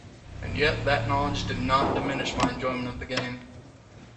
And yet that knowledge did not diminish my enjoyment of the game